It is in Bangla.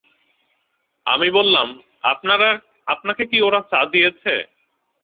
আমি বললাম, আপনাকে কি ওরা চা দিয়েছে?